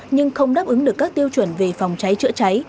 nhưng không đáp ứng được các tiêu chuẩn về phòng cháy chữa cháy